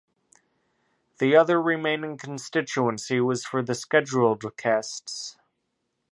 The other remaining constituency was for the Scheduled Castes.